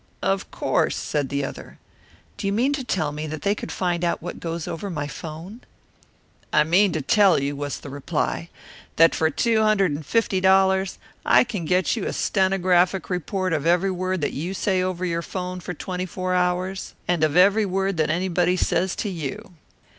"Of course," said the other. "Do you mean to tell me that they could find out what goes over my 'phone?" "I mean to tell you," was the reply, "that for two hundred and fifty dollars, I can get you a stenographic report of every word that you say over your 'phone for twenty four hours, and of every word that anybody says to you."